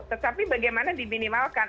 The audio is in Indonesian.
tetapi bagaimana diminimalkan